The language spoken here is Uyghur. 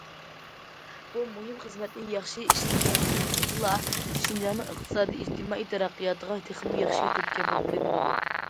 بۇ مۇھىم خىزمەتنى ياخشى ئىشلىگەندىلا، شىنجاڭنىڭ ئىقتىسادىي، ئىجتىمائىي تەرەققىياتىغا تېخىمۇ ياخشى تۈرتكە بولغىلى بولىدۇ.